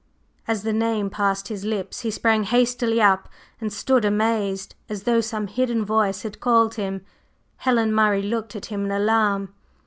As the name passed his lips, he sprang hastily up and stood amazed, as though some sudden voice had called him. Helen Murray looked at him in alarm.